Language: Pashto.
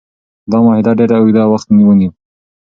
دا معاهده ډیر اوږد وخت ونیو.